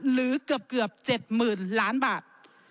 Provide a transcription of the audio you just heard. หรือเกือบ๗๐๐๐ล้านบาท